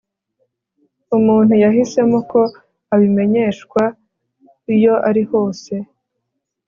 umuntu yahisemo ko abimenyeshwa iyo arihose